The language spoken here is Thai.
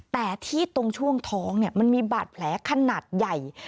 แต่ที่ตรงช่วงท้องมันมีบาดแผลขนาดใหญ่